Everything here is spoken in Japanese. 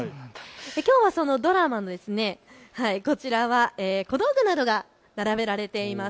きょうはそのドラマの小道具などが並べられています。